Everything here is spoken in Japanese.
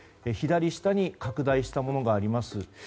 左下に拡大したものがあります。